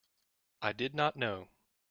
I did not know.